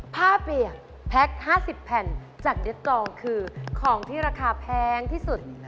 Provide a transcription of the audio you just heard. เปียกแพ็ค๕๐แผ่นจากเย็ดกองคือของที่ราคาแพงที่สุด